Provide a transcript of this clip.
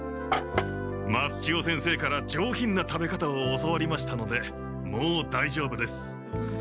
松千代先生から上品な食べ方を教わりましたのでもうだいじょうぶです。